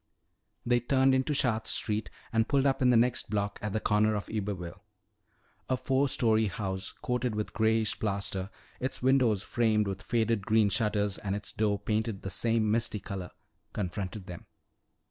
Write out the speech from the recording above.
They turned into Chartres Street and pulled up in the next block at the corner of Iberville. A four story house coated with grayish plaster, its windows framed with faded green shutters and its door painted the same misty color, confronted them.